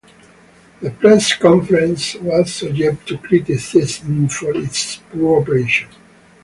The press conference was subject to criticism for its poor operation.